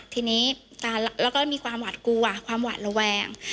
ทีนี้แล้วก็มีความหวาดกลัวความหวาดระแวง